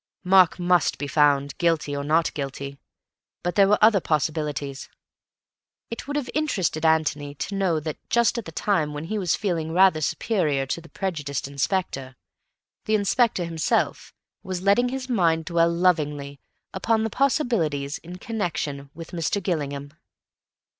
Mark must be found, guilty or not guilty. But there were other possibilities. It would have interested Antony to know that, just at the time when he was feeling rather superior to the prejudiced inspector, the Inspector himself was letting his mind dwell lovingly upon the possibilities in connection with Mr. Gillingham.